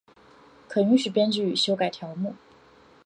可允许编辑与修改条目。